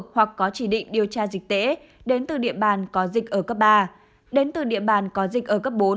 hoặc có chỉ định điều tra dịch tễ đến từ địa bàn có dịch ở cấp ba đến từ địa bàn có dịch ở cấp bốn